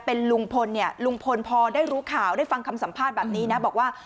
เป็นลุงพลเนี่ยลุงพลพอได้รู้ข่าวได้ฟังคำสัมภาษณ์แบบนี้นะบอกว่า